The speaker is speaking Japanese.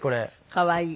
可愛い。